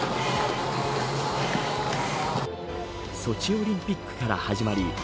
ソチオリンピックから始まり